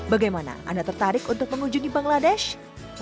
bagaimana anda tertarik untuk mengunjungi bangladesh